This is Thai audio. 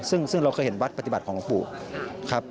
ซึ่งเราเคยเห็นวัดปฏิบัติของหลวงปู่ครับ